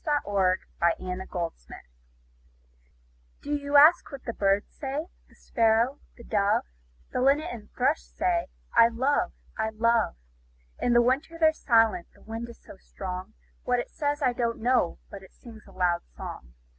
ANSWER TO A CHILD'S QUESTION[386:1] Do you ask what the birds say? The Sparrow, the Dove, The Linnet and Thrush say, 'I love and I love!' In the winter they're silent the wind is so strong; What it says, I don't know, but it sings a loud song.